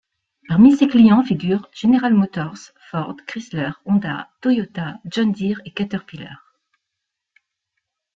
Parmi ces clients figurent General Motors, Ford, Chrysler, Honda, Toyota, John Deere et Caterpillar.